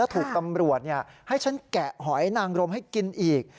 ถูกตำรวจให้ฉันแกะหอยนางรมให้กินอีก